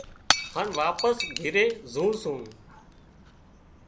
هانَ واپس گھِري زُون سُون۔